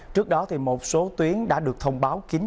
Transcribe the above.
trước đó một số tuyến đã được thông báo kín